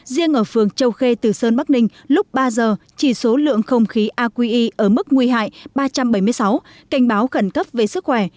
riêng ở phường châu khê từ sơn bắc ninh lúc ba giờ chỉ số lượng không khí aqi ở mức nguy hại ba trăm bảy mươi sáu cảnh báo khẩn cấp về sức khỏe